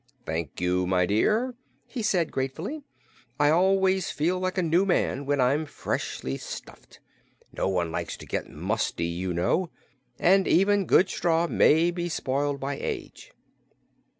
"Thank you, my dear," he replied gratefully. "I always feel like a new man when I'm freshly stuffed. No one likes to get musty, you know, and even good straw may be spoiled by age."